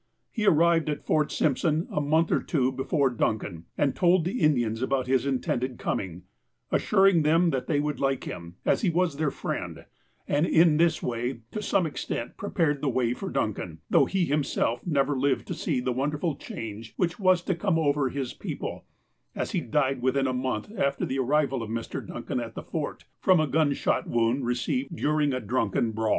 He arrived at Fort Simpson a month or two be fore Duncan, and told the Indians about his intended coming, assuring them that they would like him, as he was their friend, and in this way, to some extent, pre pared the way for Duncan, though he himself never lived to see the wonderful change which was to come over his people, as he died within a month after the arrival of Mr. Duncan at the Fort, from a gun shot wound received dur ing a drunken brawl.